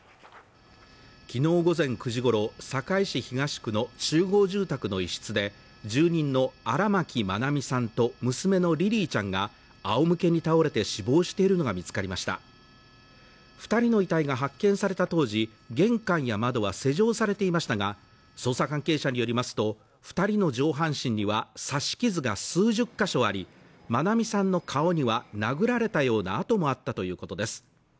昨日午前９時ごろ堺市東区の集合住宅の一室で住人の荒牧愛美さんと娘のリリィちゃんが仰向けに倒れて死亡しているのが見つかりました二人の遺体が発見された当時玄関や窓は施錠されていましたが捜査関係者によりますと二人の上半身には刺し傷が数十か所あり愛美さんの顔には殴られたような跡もあったということです